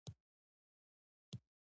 دا خبره د مصر او ټونس په اړه هم صدق کوي.